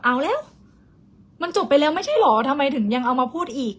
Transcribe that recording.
เอาแล้วมันจบไปแล้วไม่ใช่เหรอทำไมถึงยังเอามาพูดอีก